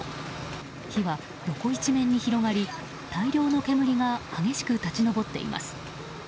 火は横一面に広がり大量の煙が激しく立ち上っています。